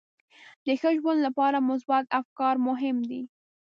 د ښه ژوند لپاره مثبت افکار مهم دي.